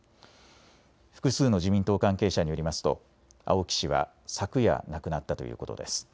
複数の自民党関係者によりますと青木氏は昨夜、亡くなったということです。